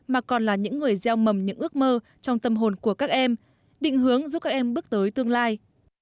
mà còn là những người gieo mầm những ước mơ trong tâm hồn của các em định hướng giúp các em bước tới tương lai